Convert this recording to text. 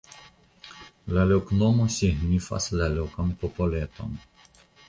La loknomo signifas la lokan popoleton.